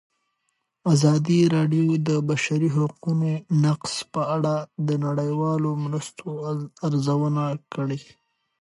ازادي راډیو د د بشري حقونو نقض په اړه د نړیوالو مرستو ارزونه کړې.